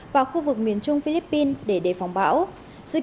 và khu vực miền trung philippines để đề phóng